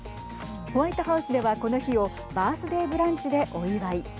ホワイトハウスでは、この日をバースデー・ブランチでお祝い。